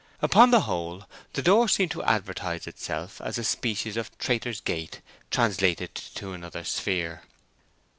Upon the whole, the door seemed to advertise itself as a species of Traitor's Gate translated to another sphere.